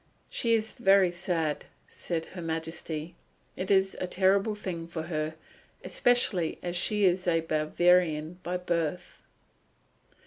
"She is very sad," said Her Majesty. "It is a terrible thing for her, especially as she is a Bavarian by birth."